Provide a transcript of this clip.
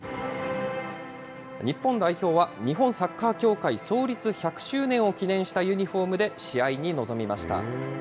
日本代表は日本サッカー協会創立１００周年を記念したユニホームで試合に臨みました。